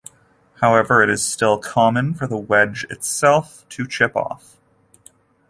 However, it is still common for the wedge itself to chip off.